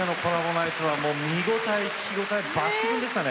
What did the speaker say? ナイトは見応え聴き応えが抜群でしたね。